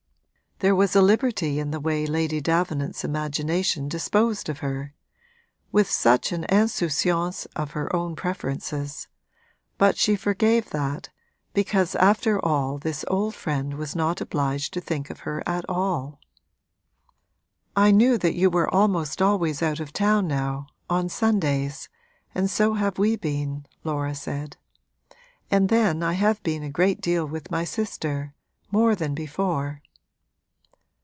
There was a liberty in the way Lady Davenant's imagination disposed of her (with such an insouciance of her own preferences), but she forgave that, because after all this old friend was not obliged to think of her at all. 'I knew that you were almost always out of town now, on Sundays and so have we been,' Laura said. 'And then I have been a great deal with my sister more than before.'